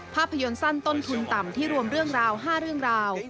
ภาพยนตร์สั้นต้นทุนต่ำที่รวมเรื่องราว๕เรื่องราว